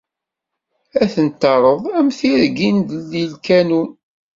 Ad ten-terreḍ am tirgin di lkanun.